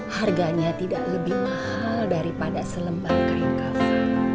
harganya tidak lebih mahal daripada selembar kain kawasan